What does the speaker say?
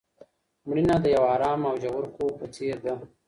مړینه د یو ارام او ژور خوب په څیر ده.